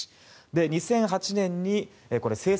２００８年に制作。